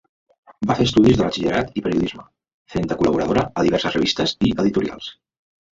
Va fer estudis de batxillerat i periodisme, fent de col·laboradora a diverses revistes i editorials.